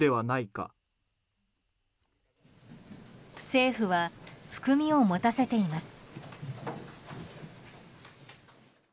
政府は含みを持たせています。